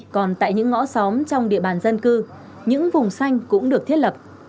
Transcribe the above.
còn tại những ngõ xóm trong địa bàn dân cư những vùng xanh cũng được thiết lập